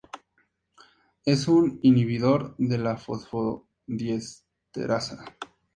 Es un inhibidor de la fosfodiesterasa.